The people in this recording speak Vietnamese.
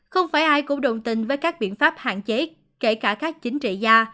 không phải ai cũng đồng tình với các biện pháp hạn chế kể cả các chính trị gia